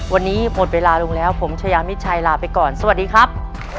วันนี้หมดเวลาลงแล้วผมชายามิดชัยลาไปก่อนสวัสดีครับ